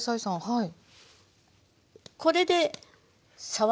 はい。